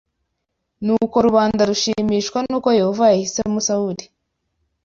Nuko rubanda rushimishwa n’uko Yehova yahisemo Sawuli